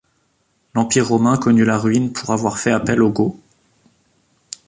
L’Empire romain connut la ruine pour avoir fait appel aux Goths.